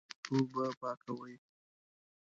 اوبه پاکوي.